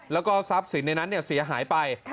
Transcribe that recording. แล้วก็ทรัพย์สินในนั้นเสียหายไป